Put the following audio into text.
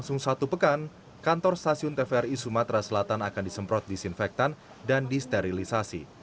langsung satu pekan kantor stasiun tvri sumatera selatan akan disemprot disinfektan dan disterilisasi